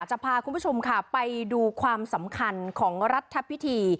จะพาคุณผู้ชมค่ะไปดูความสำคัญของรัฐพิธี